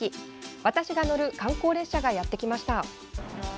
私が乗る観光列車がやってきました。